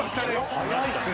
早いっすね。